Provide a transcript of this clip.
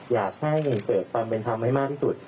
อยากให้เกิดความเป็นธรรมให้มากที่สุด